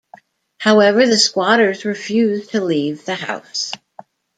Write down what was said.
However, the squatters refused to leave the house.